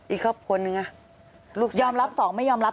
อีกครอบครัวหนึ่งลูกชายเขาไม่ยอมรับ